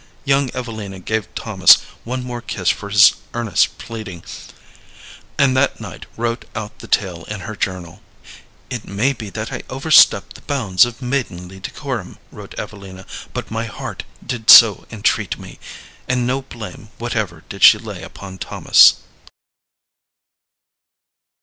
Young Evelina gave Thomas one more kiss for his earnest pleading, and that night wrote out the tale in her journal. "It may be that I overstepped the bounds of maidenly decorum," wrote Evelina, "but my heart did so entreat me," and no blame whatever did she lay upon Thomas.